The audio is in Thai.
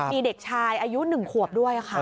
มีเด็กชายอายุ๑ขวบด้วยค่ะ